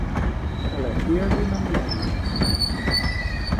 Καλέ τι αδυναμία είναι αυτή;